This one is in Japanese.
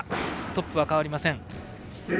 トップは変わりません。